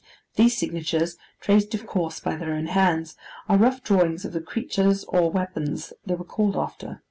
These signatures, traced of course by their own hands, are rough drawings of the creatures or weapons they were called after.